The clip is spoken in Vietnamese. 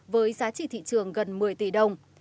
với giá trị thị trường gần một mươi tỷ đồng